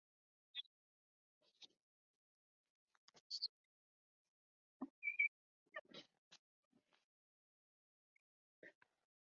乐山铺地蜈蚣为蔷薇科铺地蜈蚣属下的一个种。